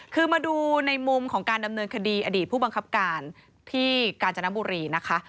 คือมาดูในมุมของการดำเนินคดีอดีตผู้บังคับการที่กาญจนบุรีนะคะ